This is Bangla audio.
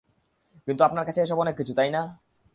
কিন্তু আপনার কাছে এসব অনেক কিছু, তাই না?